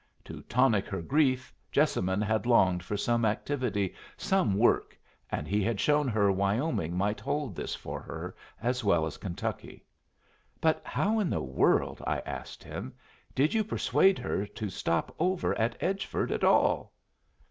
To tonic her grief Jessamine had longed for some activity, some work, and he had shown her Wyoming might hold this for her as well as Kentucky. "But how in the world," I asked him, "did you persuade her to stop over at Edgeford at all?"